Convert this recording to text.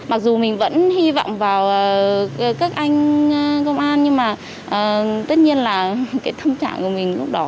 mặc dù mình vẫn hy vọng vào các anh công an nhưng mà tất nhiên là cái tâm trạng của mình lúc đó